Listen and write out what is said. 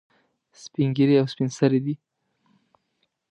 سپین ږیري او سپین سرې دي.